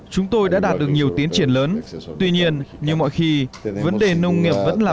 chúng tôi đã đạt được nhiều tiến triển lớn tuy nhiên như mọi khi vấn đề nông nghiệp vẫn là